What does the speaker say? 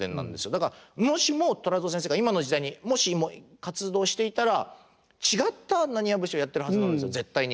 だからもしも虎造先生が今の時代にもしも活動していたら違った浪花節をやってるはずなんですよ絶対に。